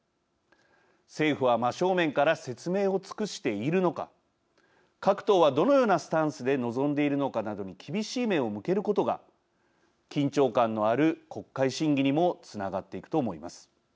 政府は真正面から説明を尽くしているのか各党はどのようなスタンスで臨んでいるのかなどに厳しい目を向けることが緊張感のある国会審議にもつながっていくと思います。